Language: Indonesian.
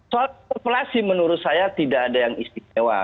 soal interpelasi menurut saya tidak ada yang istimewa